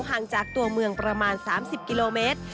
ห่างจากตัวเมืองประมาณ๓๐กิโลเมตร